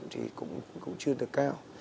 thì cũng chưa được cao